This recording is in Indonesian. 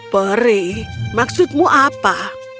perih maksudmu apa